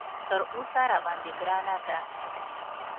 تر اوسه راباندې ګرانه ده.